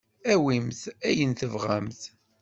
Awimt ayen tebɣamt.